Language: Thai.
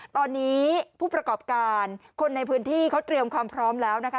ตอนนี้ผู้ประกอบการคนในพื้นที่เขาเตรียมความพร้อมแล้วนะคะ